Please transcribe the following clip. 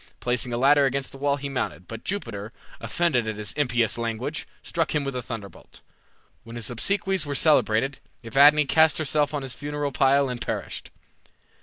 Placing a ladder against the wall he mounted, but Jupiter, offended at his impious language, struck him with a thunderbolt. When his obsequies were celebrated, Evadne cast herself on his funeral pile and perished.